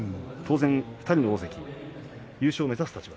当然２人の大関